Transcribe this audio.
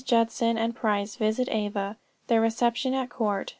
JUDSON AND PRICE VISIT AVA. THEIR RECEPTION AT COURT.